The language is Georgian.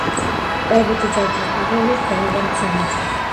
კვებთი ჯაჭვის პირველი რგოლია მცენარე.